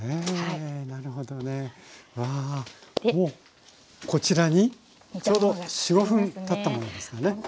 もうこちらにちょうど４５分たったものですかね。